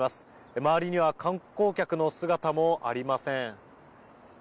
周りには観光客の姿もありません。